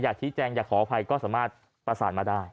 อยากชี้แจงอยากขออภัยก็สามารถประสานมาได้